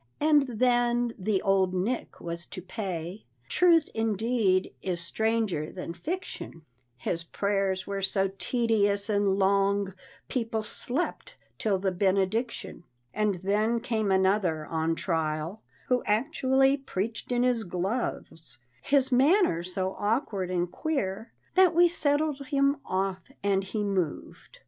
And then the "old nick" was to pay, "Truth indeed is stranger than fiction," His prayers were so tedious and long, People slept, till the benediction. And then came another, on trial, Who actually preached in his gloves, His manner so awkward and queer, That we settled him off and he moved.